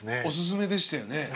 おすすめでしたよね。